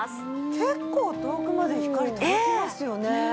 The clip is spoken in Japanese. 結構遠くまで光届きますよね。